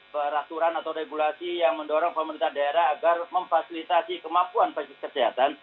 peraturan atau regulasi yang mendorong pemerintah daerah agar memfasilitasi kemampuan fasilitas kesehatan